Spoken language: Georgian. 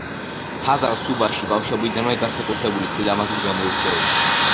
ჰაზალ სუბაში ბავშვობიდანვე განსაკუთრებული სილამაზით გამოირჩეოდა.